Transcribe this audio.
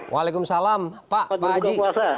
waalaikumsalam pak aji